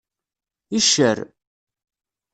Iccer.